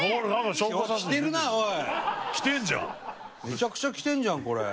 めちゃくちゃ着てんじゃんこれ。